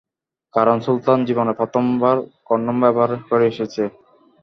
কারন সুলতান জীবনে প্রথমবার কনডম ব্যবহার করে এসেছে।